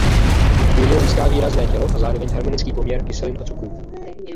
Víno získá výrazné tělo a zároveň harmonický poměr kyselin a cukrů.